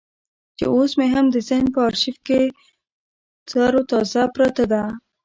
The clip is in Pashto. چې اوس مې هم د ذهن په ارشيف کې ترو تازه پرته ده.